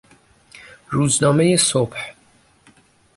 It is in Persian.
روزنامهی صبح